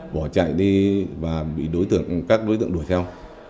bỏ chạy đi và bị các đối tượng đuổi theo